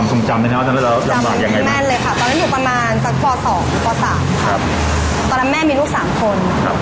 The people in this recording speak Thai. ตอนนั้นแม่มีลูก๓คน